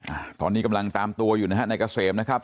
อ่าตอนนี้กำลังตามตัวอยู่นะฮะในเกษมนะครับ